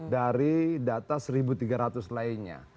dari data satu tiga ratus lainnya